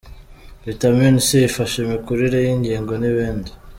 Vitamine C ifasha imikurire y’ingingo n’ibindi….